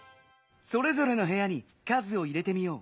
それぞれのへやに数を入れてみよう。